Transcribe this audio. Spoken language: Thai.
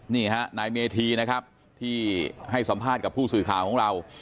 นี่ฮะนายเมธีนะครับที่ให้สัมภาษณ์กับผู้สื่อข่าวของเรา